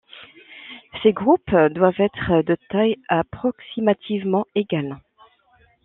Ces groupes doivent être de tailles approximativement égales.